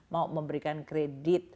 mau memberikan kredit